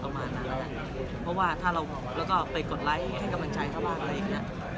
ประมาณนั้นแหละเพราะว่าถ้าเราแล้วก็ไปกดไลค์ให้กำลังใจเขาบ้างอะไรอย่างเงี้ย